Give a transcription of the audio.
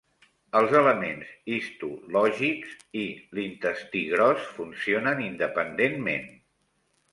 Els elements histològics i l'intestí gros funcionen independentment.